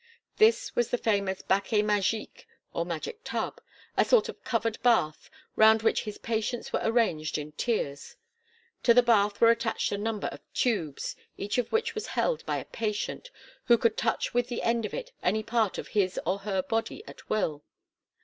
This was the famous baquet magique or magic tub, a sort of covered bath, round which his patients were arranged in tiers. To the bath were attached a number of tubes, each of which was held by a patient, who could touch with the end of it any part of his or her body at will.